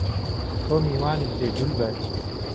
تۆ میوانت دێ دولبەر